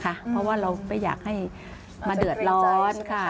เพราะว่าเราไม่อยากให้มาเดือดร้อน